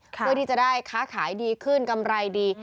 เพื่อที่จะได้ค้าขายดีขึ้นกำไรดี